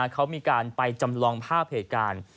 เขามีการไปจำลองภาพเหตุการณ์